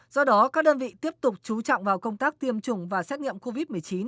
do đó các đơn vị tiếp tục chú trọng vào công tác tiêm chủng và xét nghiệm covid một mươi chín